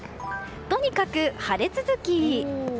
とにかく晴れ続き。